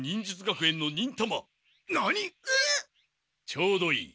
ちょうどいい。